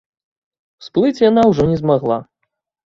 Усплыць яна ўжо не змагла.